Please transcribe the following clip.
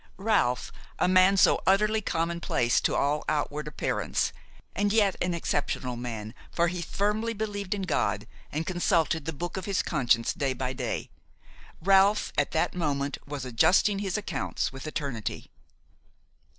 Ralph, a man so utterly commonplace to all outward appearance–and yet an exceptional man, for he firmly believed in God and consulted the book of his conscience day by day–Ralph at that moment was adjusting his accounts with eternity.